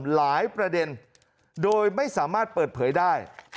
ประเด็นโดยไม่สามารถเปิดเผยได้